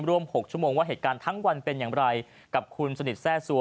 ร่วม๖ชั่วโมงว่าเหตุการณ์ทั้งวันเป็นอย่างไรกับคุณสนิทแทร่ซัว